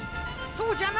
そうじゃな。